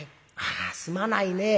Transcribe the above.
ああすまないねえ。